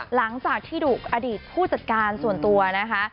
หลังจากที่ดุอดีตผู้จัดการส่วนตัวนะคะ